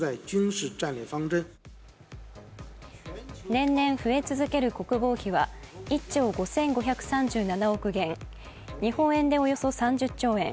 年々増え続ける国防費は１兆５５３７億元、日本円でおよそ３０兆円。